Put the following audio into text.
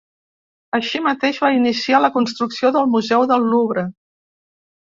Així mateix va iniciar la construcció del museu del Louvre.